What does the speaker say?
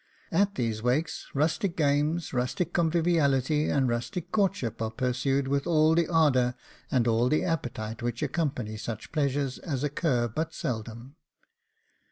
At these wakes, rustic games, rustic conviviality, and rustic courtship, are pursued with all the ardour and all the appetite which accompany such pleasures as occur but seldom.